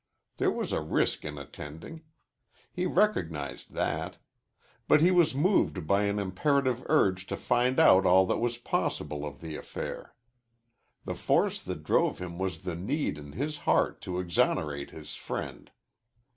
There was a risk in attending. He recognized that. But he was moved by an imperative urge to find out all that was possible of the affair. The force that drove him was the need in his heart to exonerate his friend.